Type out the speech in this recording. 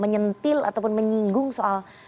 menyentil ataupun menyinggung soal